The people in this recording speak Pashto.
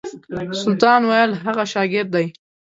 سلطان ویل هغه شاګرد دی.